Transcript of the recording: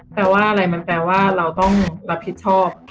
แปลว่าอะไรมันแปลว่าเราต้องรับผิดชอบ